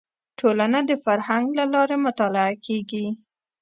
ټولنه د فرهنګ له لارې مطالعه کیږي